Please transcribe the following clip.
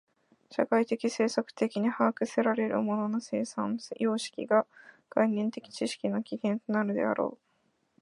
社会的制作的に把握せられる物の生産様式が概念的知識の起源となるのであろう。